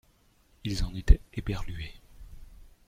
Ils en étaient éberlués.